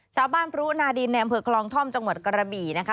ชาวบ้านพรุนาดีนแนมเผอร์คลองท่อมจังหวัดกระบีนะคะ